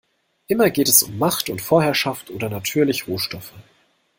Immer geht es um Macht und Vorherrschaft oder natürlich Rohstoffe.